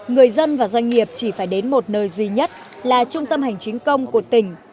người dân và doanh nghiệp chỉ phải đến một nơi duy nhất là trung tâm hành chính công của tỉnh